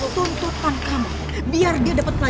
soalnya bukan apa apa